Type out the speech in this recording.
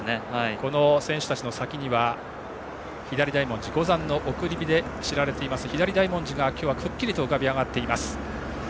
この選手たちの先には五山の送り火で知られる左大文字が今日はくっきりと浮かび上がっています。